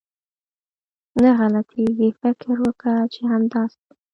نه غلطېږي، فکر وکه چې همداسې ده.